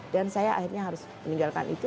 dan saya akhirnya harus meninggalkan itu